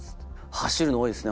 走るの多いですね